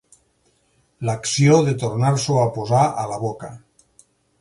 L'acció de tornar-s'ho a posar a la boca.